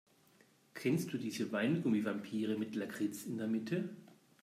Kennst du diese Weingummi-Vampire mit Lakritz in der Mitte?